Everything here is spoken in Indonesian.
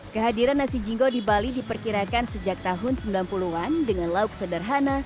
kehadiran nasi jingo di bali diperkirakan sejak tahun sembilan puluh an dengan lauk sederhana